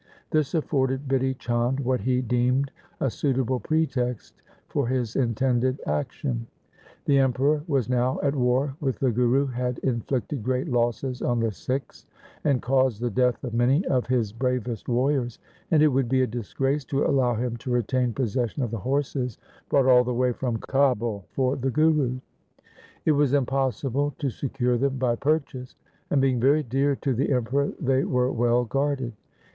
This afforded Bidhi Chand what he deemed a suitable pretext for his intended action. The Emperor was now at war with the Guru, had inflicted great losses on the Sikhs, and caused the death of many of his bravest warriors, and it would be a disgrace to allow him to retain possession of the horses brought all the way from Kabul for the Guru. It was impossible to secure them by purchase, and being very dear to the Emperor they were well guarded.